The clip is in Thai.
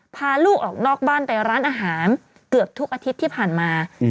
พาลูกออกนอกบ้านไปร้านอาหารเกือบทุกอาทิตย์ที่ผ่านมา